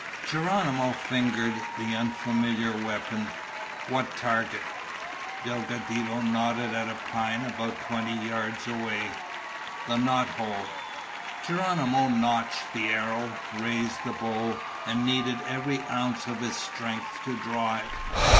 Geronimo fingered the unfamiliar weapon. "What target?" Delgadito nodded at a pine about twenty yards away. "The knothole." Geronimo nocked the arrow, raised the bow, and needed every ounce of his strength to draw it.